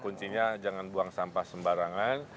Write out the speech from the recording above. kuncinya jangan buang sampah sembarangan